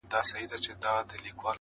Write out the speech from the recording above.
په نارو هم كليوال او هم ښاريان سول،